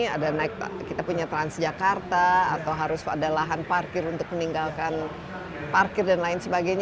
ada naik kita punya transjakarta atau harus ada lahan parkir untuk meninggalkan parkir dan lain sebagainya